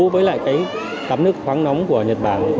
khi thấy tắm nước khoáng nóng của nhật bản